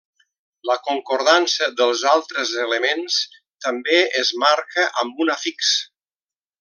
La concordança dels altres elements també es marca amb un afix.